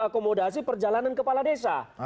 akomodasi perjalanan kepala desa